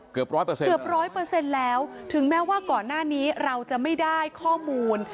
เกือบร้อยเปอร์เซ็นต์แล้วถึงแม้ว่าก่อนหน้านี้เราจะไม่ได้ข้อมูล